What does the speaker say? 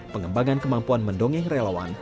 pengembangan kemampuan mendongeng relawan